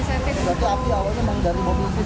api awalnya dari mobil